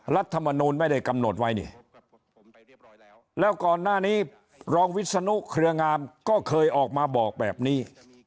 รัฐมนูลไม่ได้กำหนดไว้นี่แล้วก่อนหน้านี้รองวิศนุเครืองามก็เคยออกมาบอกแบบนี้